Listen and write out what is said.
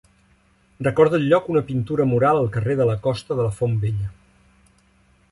Recorda el lloc una pintura mural al carrer de la Costa de la Font Vella.